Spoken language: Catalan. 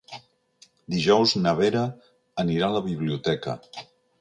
Dijous na Vera anirà a la biblioteca.